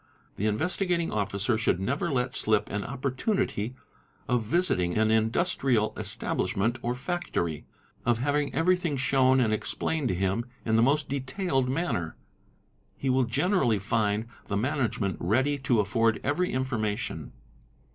The Investigating Officer — should never let slip an opportunity of visiting an industrial establish _ ment or factory, of having everything shown and explained to him in the most detailed manner; he will generally find the management ready to afford every information.